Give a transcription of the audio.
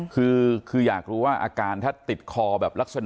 คืออยากรู้ว่าอาการถ้าติดคอแบบลักษณะ